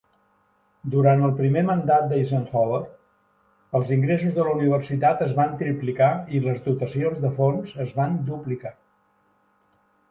Durant el primer mandat d'Eisenhower, els ingressos de la universitat es van triplicar i les dotacions de fons es van duplicar.